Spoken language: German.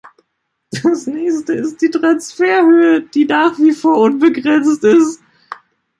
Das nächste ist die Transferhöhe, die nach wie vor unbegrenzt ist.